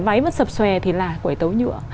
váy vẫn sập xòe thì là quẩy tấu nhựa